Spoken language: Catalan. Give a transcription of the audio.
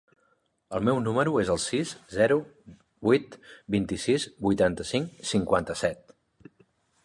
El meu número es el sis, zero, vuit, vint-i-sis, vuitanta-cinc, cinquanta-set.